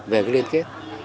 về cái liên kết